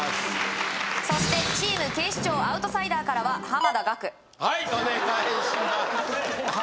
そしてチーム警視庁アウトサイダーからは濱田岳はいお願いします